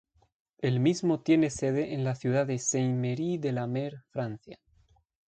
El mismo tiene sede en la ciudad de Saintes-Maries-de-la-Mer, Francia.